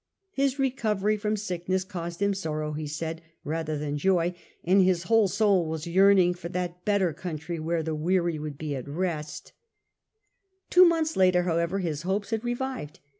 His recovery from sickness caused him sorrow, he said, rather than joy, and his whole soul was yearning for that better country where the weary would be at rest. Digitized by VjOOQIC HiLDEBRAND POPB 99 Two months later, however, his hopes had revived.